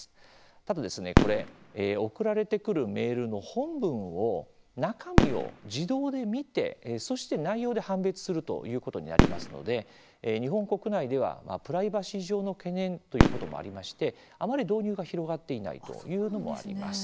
ただ送られてくるメールの本文を中身を自動で見てそして、内容で判別するということになりますので日本国内ではプライバシー上の懸念ということもありましてあまり導入が広がっていないというのもあります。